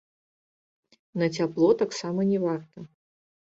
На цяпло таксама не варта.